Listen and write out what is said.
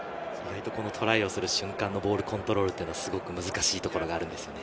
トライする瞬間のボールコントロールって、すごく難しいところがあるんですよね。